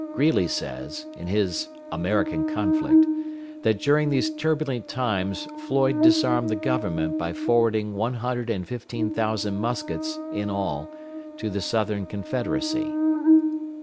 Greeley says, in his "American Conflict," that during these turbulent times Floyd disarmed the Government by forwarding one hundred and fifteen thousand muskets, in all, to the Southern Confederacy.